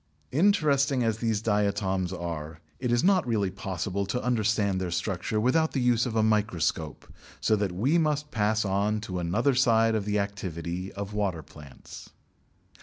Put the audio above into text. Interesting as these diatoms are, it is not really possible to understand their structure without the use of a microscope, so that we must pass on to another side of the activity of water plants.